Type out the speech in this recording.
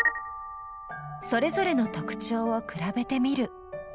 それぞれの特徴を比べてみる。